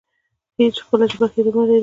خپله ژبه مه هیروئ